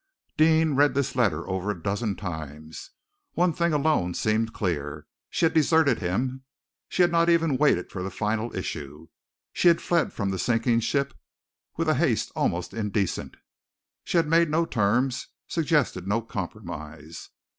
Deane read this letter over a dozen times. One thing alone seemed clear. She had deserted him. She had not even waited for the final issue. She had fled from the sinking ship with a haste almost indecent. She had made no terms, suggested no compromise.